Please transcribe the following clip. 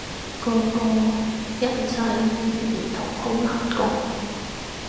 個個人際遇唔同，好難講